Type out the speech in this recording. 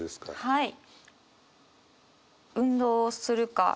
はい。